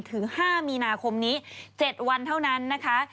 ถึง๕มีนาคมนี้๗วันเท่านั้นนะคะ